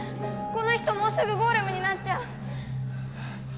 この人もうすぐゴーレムになっちゃう。